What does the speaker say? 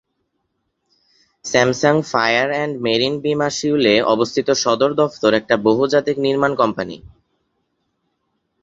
Samsung fire and marine বীমা সিউলে অবস্থিত সদর দফতর একটি বহুজাতিক নির্মাণ কোম্পানী।